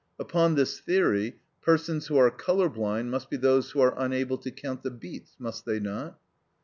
Upon this theory, persons who are colour blind must be those who are unable to count the beats, must they not?